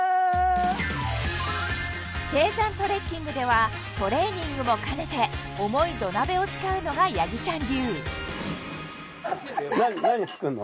低山トレッキングではトレーニングもかねて重い土鍋を使うのがやぎちゃん流何作んの？